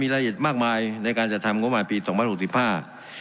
รายละเอียดมากมายในการจัดทำงบประมาณปีสองพันหกสิบห้า